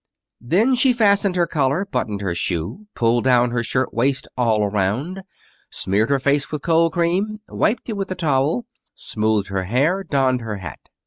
Then she fastened her collar, buttoned her shoe, pulled down her shirtwaist all around, smeared her face with cold cream, wiped it with a towel, smoothed her hair, donned her hat.